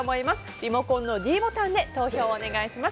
リモコンのｄボタンで投票をお願いします。